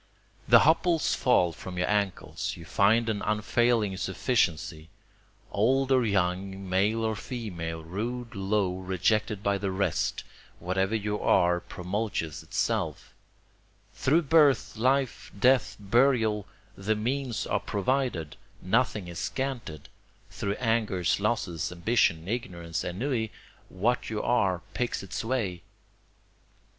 The hopples fall from your ankles you find an unfailing sufficiency; Old or young, male or female, rude, low, rejected by the rest, whatever you are promulges itself; Through birth, life, death, burial, the means are provided, nothing is scanted; Through angers, losses, ambition, ignorance, ennui, what you are picks its way.